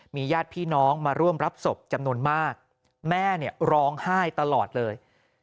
ญาติพี่น้องมาร่วมรับศพจำนวนมากแม่เนี่ยร้องไห้ตลอดเลย